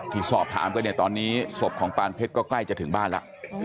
ที่สอบถามกันเนี่ยตอนนี้ศพของปานเพชรก็ใกล้จะถึงบ้านแล้ว